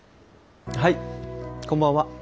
はいこんばんは。